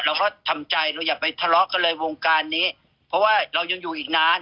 เราก็ทำใจเราอย่าไปทะเลาะกันเลยวงการนี้เพราะว่าเรายังอยู่อีกนาน